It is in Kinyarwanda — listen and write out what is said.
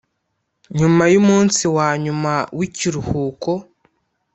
nyuma y umunsi wa nyuma w ikiruhuko